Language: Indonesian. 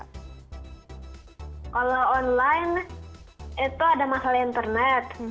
kalau online itu ada masalah internet